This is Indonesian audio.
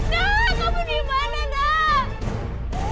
nah kamu di mana nah